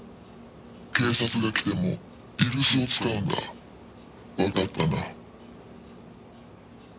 警察が来ても居留守を使うんだ」「わかったな」